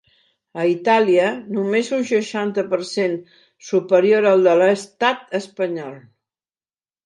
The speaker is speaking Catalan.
A Itàlia, només un seixanta per cent superior al de l’estat espanyol.